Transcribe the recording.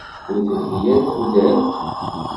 Ur telhi ara tudert?